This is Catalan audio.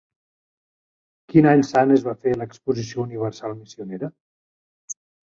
Quin any sant es va fer l'Exposició Universal Missionera?